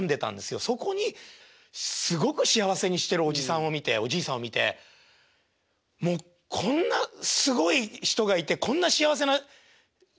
そこにすごく幸せにしてるおじさんを見ておじいさんを見てもうこんなすごい人がいてこんな幸せな商売があるんだ。